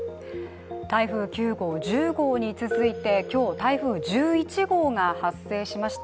台風９号、１０号に続いて、今日、台風１１号が発生しました。